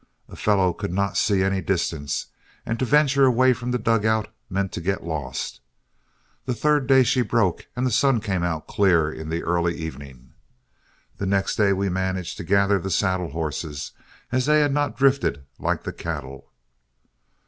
A fellow could not see any distance, and to venture away from the dugout meant to get lost. The third day she broke and the sun came out clear in the early evening. The next day we managed to gather the saddle horses, as they had not drifted like the cattle.